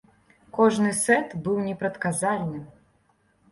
Кожны сет быў непрадказальным.